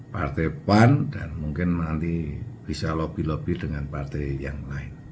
partai pan dan mungkin nanti bisa lobby lobby dengan partai yang lain